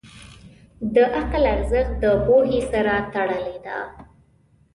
د عقل ارزښت د پوهې سره تړلی دی.